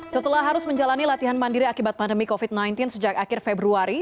setelah harus menjalani latihan mandiri akibat pandemi covid sembilan belas sejak akhir februari